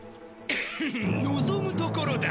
フフン望むところだ！